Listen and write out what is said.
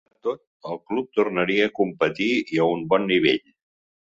Malgrat tot, el club tornaria a competir i a un bon nivell.